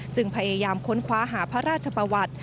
จึงพยายามค้นคว้าหาพระราชประวัติ